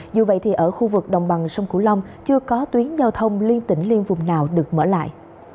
dù vậy thì ở khu vực đồng bằng sông cửu long chưa có tuyến giao thông liên tỉnh liên vùng nào được mở lại